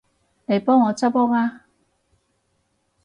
嚟幫我執屋吖